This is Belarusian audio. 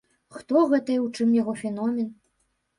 Хто гэта і ў чым яго феномен?